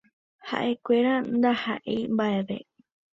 Haʼekuéra ndahaʼéi mbaʼeve.